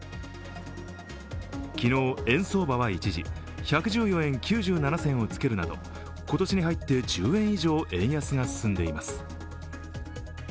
昨日円相場は一時、１１４円９７銭をつけるなど今年に入って１０円以上円安が進んでいます。